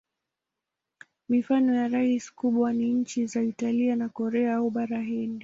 Mifano ya rasi kubwa ni nchi za Italia na Korea au Bara Hindi.